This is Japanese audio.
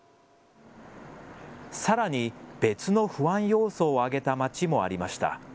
さらに別の不安要素を挙げた町もありました。